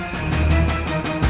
jangan lupa lelah